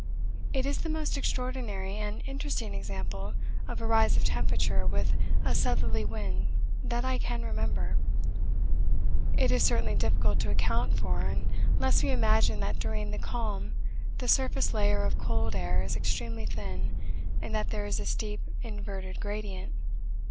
It is the most extraordinary and interesting example of a rise of temperature with a southerly wind that I can remember. It is certainly difficult to account for unless we imagine that during the calm the surface layer of cold air is extremely thin and that there is a steep inverted gradient.